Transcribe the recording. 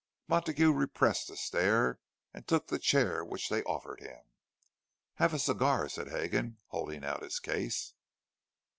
Montague repressed a stare and took the chair which they offered him. "Have a cigar," said Hegan, holding out his case.